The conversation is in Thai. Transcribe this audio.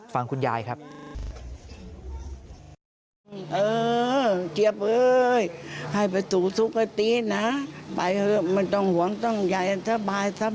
ฟังคุณยายครับ